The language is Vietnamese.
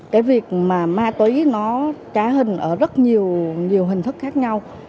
cái việc mà ma túy nó trá hình ở rất nhiều hình thức khác nhau